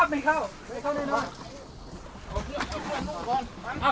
สวัสดีครับทุกคน